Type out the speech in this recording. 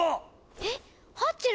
えっハッチェル